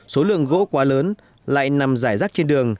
số lượng gỗ quá lớn lại nằm giải rác trên đường